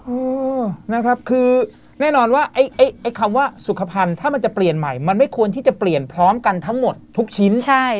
เออนะครับคือแน่นอนว่าไอ้คำว่าสุขภัณฑ์ถ้ามันจะเปลี่ยนใหม่มันไม่ควรที่จะเปลี่ยนพร้อมกันทั้งหมดทุกชิ้น